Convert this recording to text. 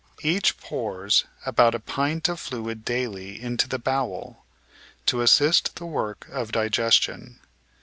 Each pours about a pint of fluid daily into the bowel, to assist the work of digestion.